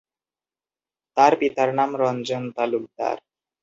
তার পিতার নাম রঞ্জন তালুকদার।